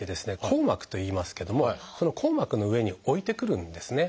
「硬膜」といいますけどもその硬膜の上に置いてくるんですね。